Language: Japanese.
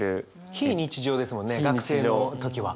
非日常ですもんね学生の時は。